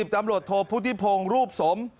๑๐ตำรวจโทรพุทธิพงรูปสม